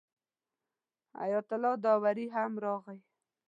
حیات الله داوري هم راغی.